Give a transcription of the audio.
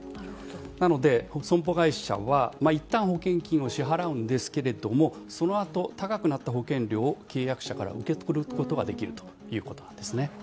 なので損保会社はいったん保険金を支払うんですけどそのあと、高くなった保険料を契約者から受け取ることができるということです。